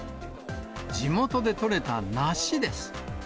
地元で取れた梨です。